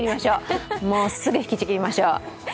すぐ引きちぎりましょう。